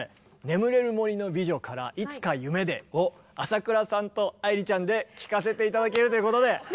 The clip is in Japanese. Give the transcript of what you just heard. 「眠れる森の美女」から「いつか夢で」を浅倉さんと愛理ちゃんで聴かせて頂けるということで。